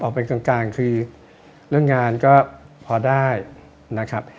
เป็นกลางคือเรื่องงานก็พอได้นะครับ